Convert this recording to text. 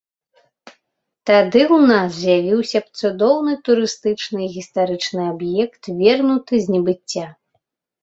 Тады ў нас з'явіўся б цудоўны турыстычны і гістарычны аб'ект, вернуты з небыцця.